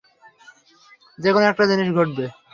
যেকোনো একটা জিনিস ঘটবে।